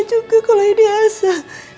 aku nyangka juga kalau ini elsa